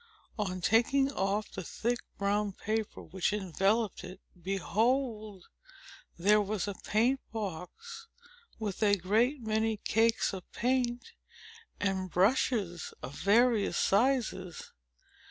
On taking off the thick brown paper which enveloped it, behold! there was a paint box, with a great many cakes of paint, and brushes of various sizes.